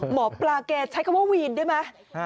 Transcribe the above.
หมอปลาแกใช้คำว่าวีนได้ไหม